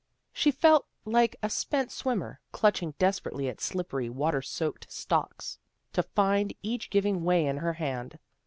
She felt like a spent swimmer, clutching desper ately at slippery, water soaked stalks, to find each giving way in her hand.